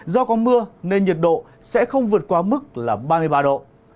do có mưa nên nhiệt độ sẽ không vượt qua mức là ba mươi ba độ